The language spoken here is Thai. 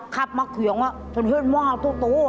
ขับมาเขืองชนเย็นมาตัวตัว